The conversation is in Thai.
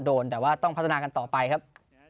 โดนแต่ว่าต้องพัฒนากันต่อไปครับ